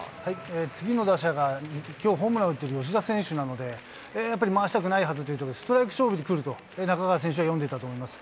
次の打者がきょう、ホームラン打っている吉田選手なので、やっぱり回したくないはずで、ストライク勝負に来ると、中川選手は読んでいたと思います。